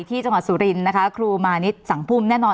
ที่จังหวัดสุรินทร์นะคะครูมานิดสังพุ่มแน่นอน